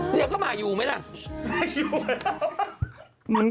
เดี๋ยวเข้ามาอยู่ไหมล่ะ